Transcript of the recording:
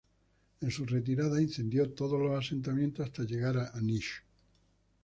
En su retirada, incendió todos los asentamientos hasta llegar a Niš.